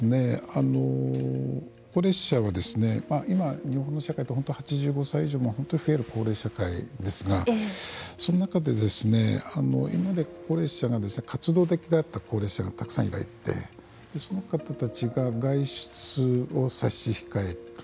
高齢者は今、日本の社会って８５歳以上が増える本当に増える高齢社会ですがその中で今まで高齢者が活動的だった高齢者がたくさんいてその方たちが外出を差し控える。